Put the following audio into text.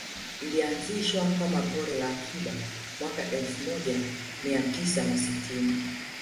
Ilianzishwa kama pori la akiba mwaka elfu moja mia tisa na sitini